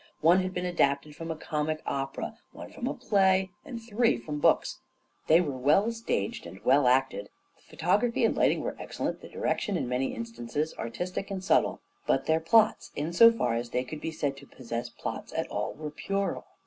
One had been adapted from a comic opera, one from a play, and three from books. They were well staged and well acted, the photog raphy and lighting were excellent, the direction in many instances artistic and subtle ; but their plots, in so far as they could be said to possess plots at all, were puerile.